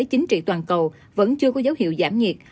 chính trị toàn cầu vẫn chưa có dấu hiệu giảm nhiệt